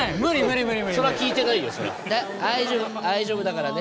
大丈夫大丈夫だからね。